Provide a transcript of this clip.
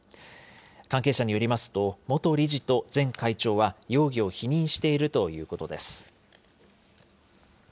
関係者によりますと、元理事と前会長は容疑を否認しているということです。